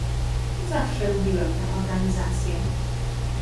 Zawsze lubiłem tę organizację